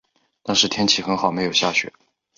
但是天气很好没有下雪